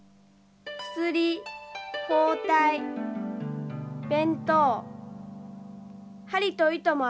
薬包帯弁当針と糸もありますか？